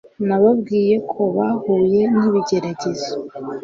Nababwiye ko bahuye nibigeragezo